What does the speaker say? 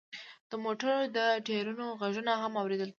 د موټرو د ټیرونو غږونه هم اوریدل کیږي